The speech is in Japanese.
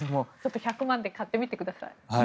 １００万で買ってみてください。